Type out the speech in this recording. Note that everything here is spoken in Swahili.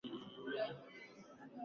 Naogopa chura mkubwa.